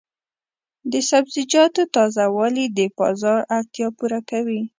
د سبزیجاتو تازه والي د بازار اړتیا پوره کوي.